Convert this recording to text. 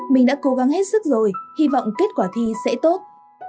mình đã cố gắng hết sức rồi hy vọng kết quả thi sẽ tốt